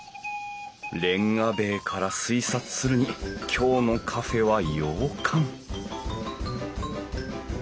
レンガ塀から推察するに今日のカフェは洋館？